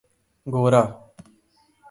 گورا